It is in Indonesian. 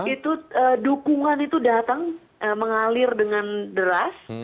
itu dukungan itu datang mengalir dengan deras